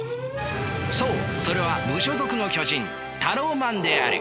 そうそれは無所属の巨人タローマンである。